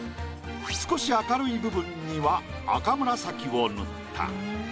少し明るい部分には赤紫を塗った。